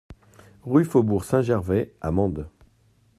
Rue du Faubourg Saint-Gervais à Mende